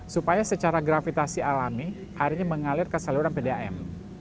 supaya secara gravitasi alami airnya mengalir ke saluran pdam